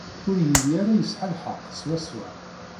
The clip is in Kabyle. Ur yelli ara yesɛa lḥeqq swaswa.